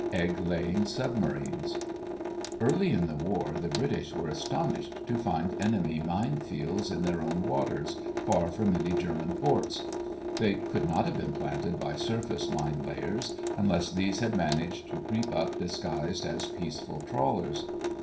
EGG LAYING SUBMARINES Early in the war the British were astonished to find enemy mine fields in their own waters, far from any German ports. They could not have been planted by surface mine layers, unless these had managed to creep up disguised as peaceful trawlers.